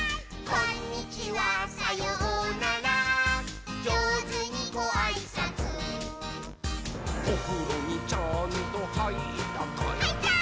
「こんにちはさようならじょうずにごあいさつ」「おふろにちゃんとはいったかい？」はいったー！